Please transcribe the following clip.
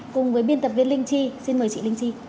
cùng với biên tập viên linh chi xin mời chị linh chi